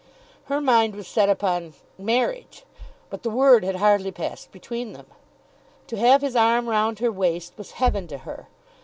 Her mind was set upon marriage, but the word had hardly passed between them. To have his arm round her waist was heaven to her!